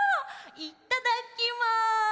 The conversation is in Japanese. いっただきます！